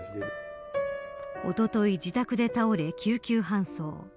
おととい自宅で倒れ、救急搬送。